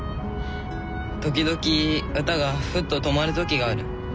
時々歌がふっと止まる時がある。